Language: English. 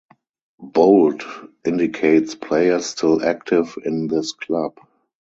Bold indicates players still active in this club.